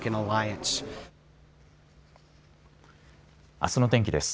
あすの天気です。